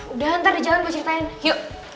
udah ntar di jalan gue ceritain yuk